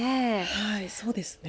はい、そうですね。